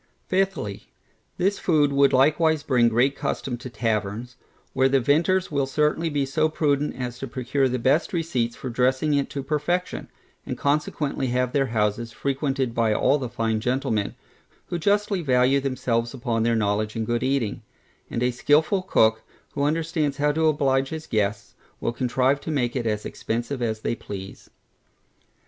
Fifthly, This food would likewise bring great custom to taverns, where the vintners will certainly be so prudent as to procure the best receipts for dressing it to perfection; and consequently have their houses frequented by all the fine gentlemen, who justly value themselves upon their knowledge in good eating; and a skilful cook, who understands how to oblige his guests, will contrive to make it as expensive as they please.